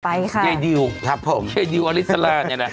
ไปค่ะยายดิวแหละครับผมยายดิวอลิสาลาเนี้ยน่ะ